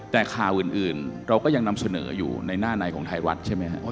แต่ข่าวอื่นเราก็ยังนำเสนออยู่ในหน้าในของไทยรัฐใช่ไหมครับ